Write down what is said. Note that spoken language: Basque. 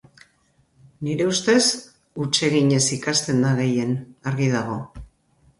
Nire ustez huts eginez ikasten da gehien, argi dago.